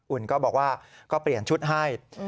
ก็บอกว่าก็เปลี่ยนชุดให้